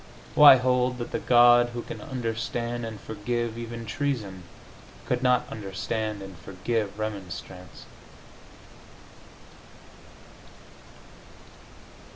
Why hold that the God who can understand and forgive even treason could not understand and forgive remonstrance?